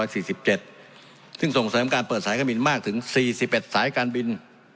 ซึ่งส่งเสริมการเปิดสายการบินมากถึง๔๑สายการบิน